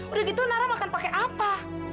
udah gitu nara makan pake apa